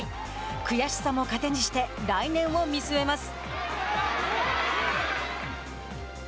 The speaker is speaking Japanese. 悔しさも糧にして来年を見据えます。